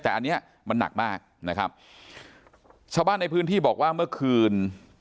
แต่อันเนี้ยมันหนักมากนะครับชาวบ้านในพื้นที่บอกว่าเมื่อคืน